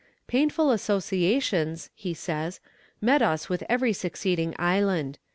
"Painful associations," he says, "met us with every succeeding island.